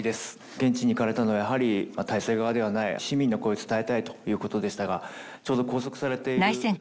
現地に行かれたのはやはり体制側ではない市民の声を伝えたいということでしたがちょうど拘束されている。